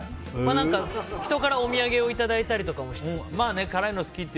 人からお土産をいただいたりもしつつ。